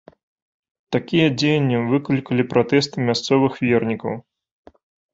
Такія дзеянні выклікалі пратэсты мясцовых вернікаў.